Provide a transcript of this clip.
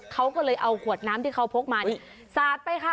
เขาก็เลยเอาขวดน้ำที่เขาพกมานี่สาดไปค่ะ